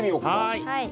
はい。